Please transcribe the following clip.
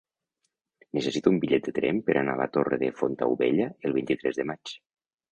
Necessito un bitllet de tren per anar a la Torre de Fontaubella el vint-i-tres de maig.